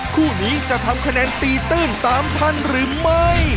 คู่นี้จะทำคะแนนตีตื้นตามทันหรือไม่